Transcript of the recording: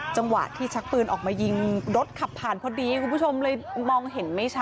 จังหวะที่ชักปืนออกมายิงรถขับผ่านพอดีคุณผู้ชมเลยมองเห็นไม่ชัด